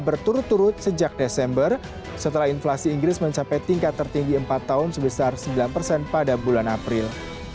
berturut turut sejak desember setelah inflasi inggris mencapai tingkat tertinggi empat tahun sebesar sembilan persen pada bulan april